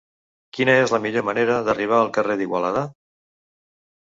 Quina és la millor manera d'arribar al carrer d'Igualada?